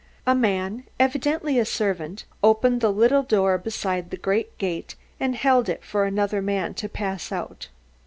A man, evidently a servant, opened the little door beside the great gate and held it for another man to pass out.